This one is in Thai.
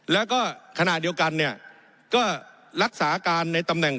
แล้วก็ขณะเดียวกันเนี่ยก็รักษาการในตำแหน่ง